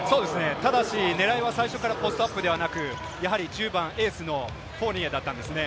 ただし狙いは最初からポストアップではなく、１０番エースのフォーニエだったんですね。